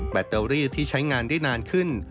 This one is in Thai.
แตรีที่ใช้งานได้นานขึ้น